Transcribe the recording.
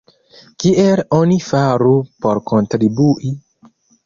Kiel oni faru por kontribui?